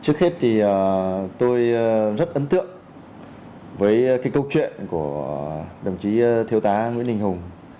trước hết thì tôi rất ấn tượng với cái câu chuyện của đồng chí thiếu tá nguyễn đình hùng